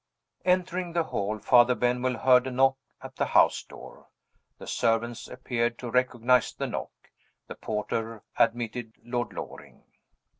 ENTERING the hall, Father Benwell heard a knock at the house door. The servants appeared to recognize the knock the porter admitted Lord Loring.